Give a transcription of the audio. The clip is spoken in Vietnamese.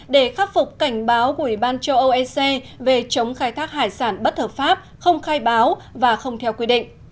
để khắc phục cảnh báo của ủy ban châu âu ec về chống khai thác hải sản bất hợp pháp không khai báo và không theo quy định